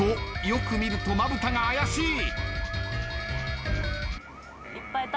よく見るとまぶたが怪しい。